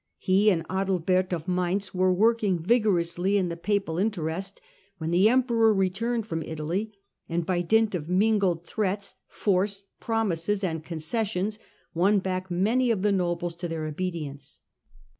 He and Adalbert of Mainz were working vigor ously in the papal interest when the emperor returned from Italy, and, by dint of mingled threats, force, pro mises, and concessions, won back many of the nobles to their obedience.